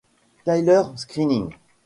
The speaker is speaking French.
Tyler Screening.